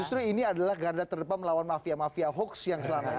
justru ini adalah garda terdepan melawan mafia mafia hoax yang selama ini